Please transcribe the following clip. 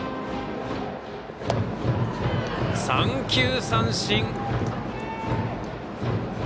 三球三振。